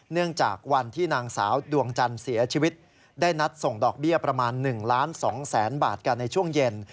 เนื่องจากวันที่นางสาวดวงจันทร์เสียชีวิตได้นัดส่งดอกเบี้ยประมาณ๑ล้าน๒แสนบาทกันในช่วงเย็น